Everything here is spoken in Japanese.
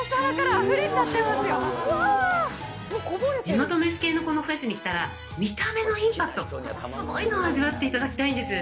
地元飯系のフェスに来たら、見た目のインパクト、すごいのを味わっていただきたいんです。